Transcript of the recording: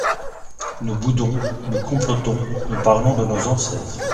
Nous boudons, nous complotons, nous parlons de nos ancêtres.